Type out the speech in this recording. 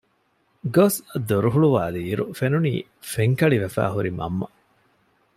ގޮސް ދޮރު ހުޅުވައިލީއިރު ފެނުނީ ފެންކަޅިވެފައި ހުރި މަންމަ